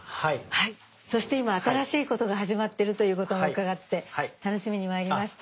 そして今新しいことが始まってるということも伺って楽しみにまいりました。